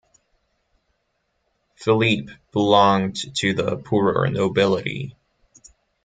Philippe belonged to the poorer nobility.